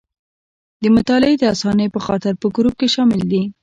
د مطالعې د اسانۍ په خاطر په ګروپ کې شامل دي.